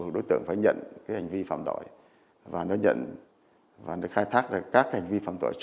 đúng rồi đây đây đây